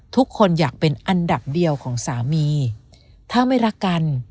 ทุกคนอยากเป็นอันดับเดียวของสามีถ้าไม่รักกัน